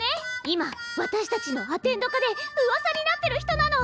今私たちのアテンド科でうわさになってる人なの！